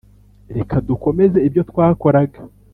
reka dukomeze ibyo twakoraga.